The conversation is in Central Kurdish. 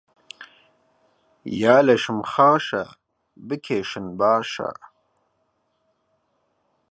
یا لەشم خاشە بکێشن باشە